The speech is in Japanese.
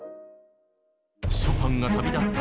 ショパンが旅立った